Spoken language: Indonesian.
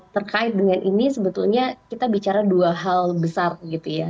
terkait dengan ini sebetulnya kita bicara dua hal besar gitu ya